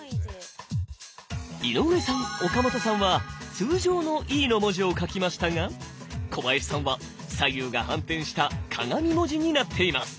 井上さん岡本さんは通常のＥの文字を書きましたが小林さんは左右が反転した鏡文字になっています。